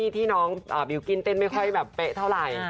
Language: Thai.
ที่น้องบิลกิ้นเต้นไม่ค่อยแบบเป๊ะเท่าไหร่